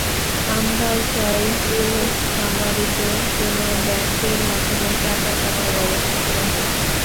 আমরাও চাই নীলফামারীতে কোনো ব্যাংকের মাধ্যমে টাকা জমার ব্যবস্থা করা হোক।